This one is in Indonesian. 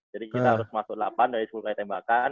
jadi kita harus masuk delapan dari sepuluh kali nembakan